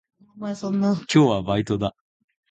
今日はバイトだ。